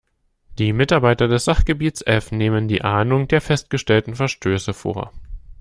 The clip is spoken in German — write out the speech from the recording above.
Die Mitarbeiter des Sachgebiets F nehmen die Ahndung der festgestellten Verstöße vor.